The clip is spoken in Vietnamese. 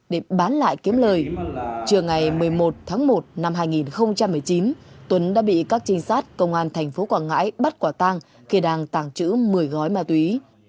để bán lại kiếm lời trường ngày một mươi một tháng một năm hai nghìn một mươi chín tuấn đã bị các trinh sát công an thành phố quảng ngãi bắt quả tăng khi đang tàng trữ một mươi gói ma túy